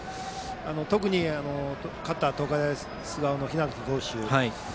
特に勝った東海大菅生の日當投手。